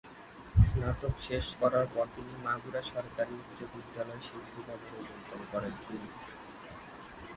স্নাতক শেষ করার পর তিনি মাগুরা সরকারি বালিকা উচ্চ বিদ্যালয়ে শিক্ষিকা পদে যোগদান করেন তিনি।